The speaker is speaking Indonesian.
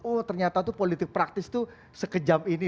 oh ternyata itu politik praktis itu sekejam ini